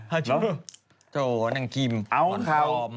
หาจู๊โจ๊ะนางกิมหอม